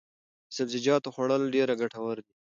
د سبزیجاتو خوړل ډېر ګټور دي.